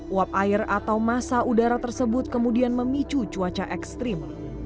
uap air atau masa udara tersebut kemudian memicu cuaca ekstrim